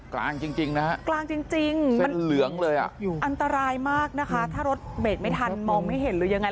คลานจริงนะครับเส้นเหลืองเลยอันตรายมากนะคะถ้ารถเบตไม่ทันมองไม่เห็นหรือยังไง